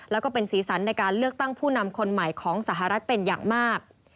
แล้วก็เป็นสีสันในการเลือกตั้งผู้นำคนใหม่ของสหรัฐเป็นอย่างมาก